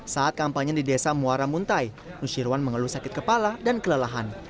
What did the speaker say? saat kampanye di desa muara muntai nusyirwan mengeluh sakit kepala dan kelelahan